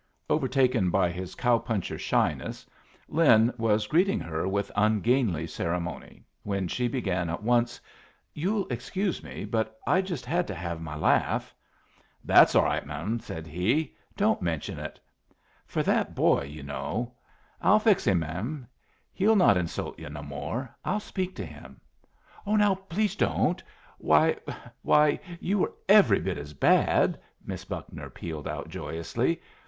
Overtaken by his cow puncher shyness, Lin was greeting her with ungainly ceremony, when she began at once, "You'll excuse me, but I just had to have my laugh." "That's all right, m'm," said he; "don't mention it." "For that boy, you know " "I'll fix him, m'm. He'll not insult yu' no more. I'll speak to him." "Now, please don't! Why why you were every bit as bad!" Miss Buckner pealed out, joyously.